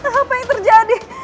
apa yang terjadi